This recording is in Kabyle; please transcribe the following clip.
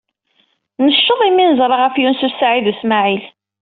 Necceḍ imi ay nerza ɣef Yunes u Saɛid u Smaɛil.